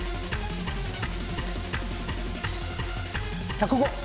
１０５！